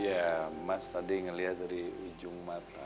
ya mas tadi ngelihat dari ujung mata